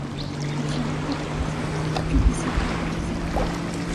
Regional La Paz, Chuquisaca y Potosí.